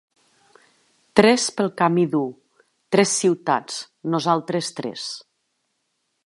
"Tres pel camí dur, tres ciutats, nosaltres tres.